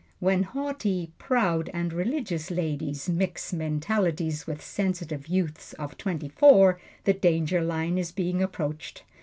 When haughty, proud and religious ladies mix mentalities with sensitive youths of twenty four, the danger line is being approached.